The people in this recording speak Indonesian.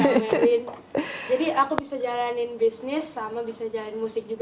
jadi aku bisa jalanin bisnis sama bisa jalanin musik juga